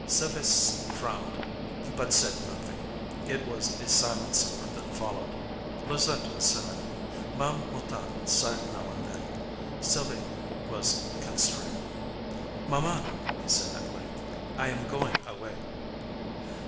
Sylves' frowned, but said nothing. It was a silent supper that followed. Louisette was sad, Ma'am Mouton sighed now and then, Sylves' was constrained. "Maman," he said at length, "I am goin' away."